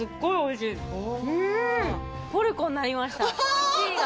ポルコになりました１位が。